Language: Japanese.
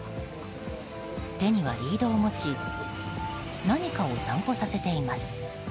手にはリードを持ち何かを散歩させています。